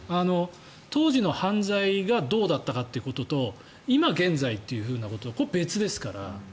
当時の犯罪がどうだったかということと今現在ということこれは別ですから。